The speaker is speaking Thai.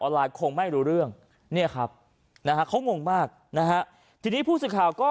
ไลน์คงไม่รู้เรื่องเนี่ยครับนะฮะเขางงมากนะฮะทีนี้ผู้สื่อข่าวก็